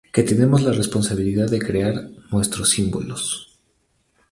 que tenemos la responsabilidad de crear nuestros símbolos